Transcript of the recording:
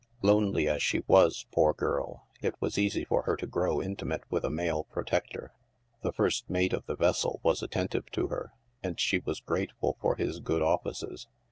Lonely as she was, poor girl, it was easy for her to grow intimate with a male protector. The first mate of the vessel was at tentive to her, and she was grateful for his good offices.